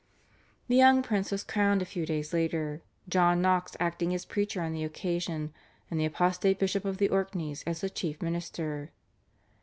The young prince was crowned a few days later, John Knox acting as preacher on the occasion, and the apostate Bishop of the Orkneys as the chief minister.